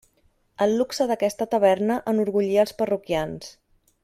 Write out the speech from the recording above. El luxe d'aquesta taverna enorgullia els parroquians.